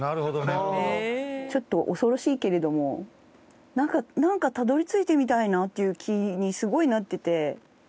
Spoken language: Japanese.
ちょっと恐ろしいけれどもなんかたどり着いてみたいなっていう気にすごいなってて。